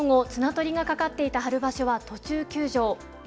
綱取りがかかっていた春場所は、途中休場。